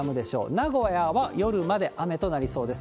名古屋は夜まで雨となりそうです。